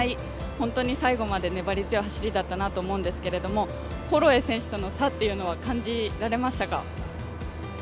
本当に最後まで粘り強い走りだったと思うんですけれども、ホロウェイ選手との差というのは感じられましたか？